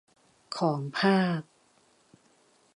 ของภาค